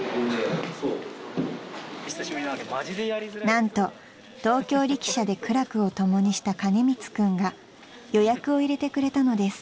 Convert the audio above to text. ［何と東京力車で苦楽を共にした金光君が予約を入れてくれたのです］